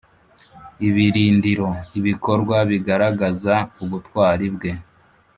ibirindiro ibikorwa bigaragaza ubutwari bwe